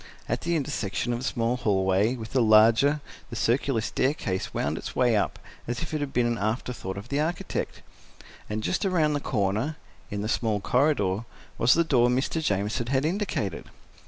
At the intersection of the small hallway with the larger, the circular staircase wound its way up, as if it had been an afterthought of the architect. And just around the corner, in the small corridor, was the door Mr. Jamieson had indicated.